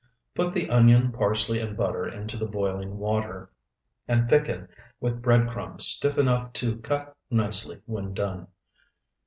Put the onion, parsley, and butter into the boiling water, and thicken with bread crumbs stiff enough to cut nicely when done.